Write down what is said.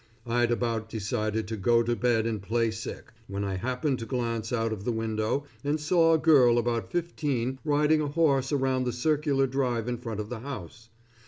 I'd about decided to go to bed and play sick, when I happened to glance out of the window and saw a girl about fifteen riding a horse around the circular drive in front of the house.